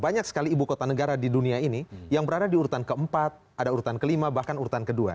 banyak sekali ibu kota negara di dunia ini yang berada di urutan keempat ada urutan kelima bahkan urutan kedua